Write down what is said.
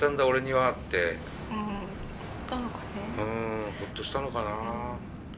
俺にはってほっとしたのかな。